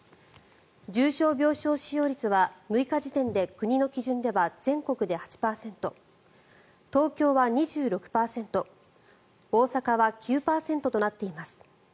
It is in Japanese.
重症病床使用率は６日時点で国の基準では全国で８％東京は２６％大阪は９％となっています。